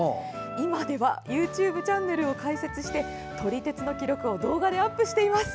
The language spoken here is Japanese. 今ではＹｏｕＴｕｂｅチャンネルを開設して撮り鉄の記録を動画でアップしています。